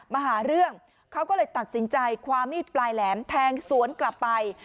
มาหาเรื่องเขาก็เลยตัดสินใจความมีดปลายแหลมแทงสวนกลับไป